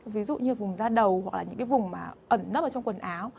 ví dụ như vùng da đầu hoặc là những cái vùng mà ẩn nấp ở trong quần áo